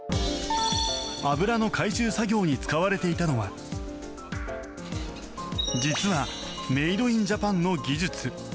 油の回収作業に使われていたのは実はメイド・イン・ジャパンの技術。